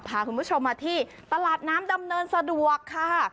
พาคุณผู้ชมมาที่ตลาดน้ำดำเนินสะดวกค่ะ